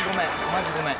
「マジごめん」